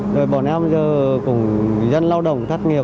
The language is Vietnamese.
rồi bọn em giờ cũng dân lao động thất nghiệp